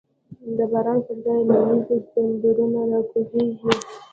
د باران پر ځای له وریځو، تندرونه راکوزیږی